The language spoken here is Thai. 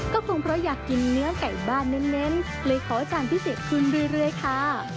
ก็คงเพราะอยากกินเนื้อไก่บ้านเน้นเลยขอจานพิเศษขึ้นเรื่อยค่ะ